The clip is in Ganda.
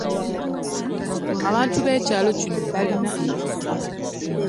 Abantu b’ekyalo kino balina ekisa.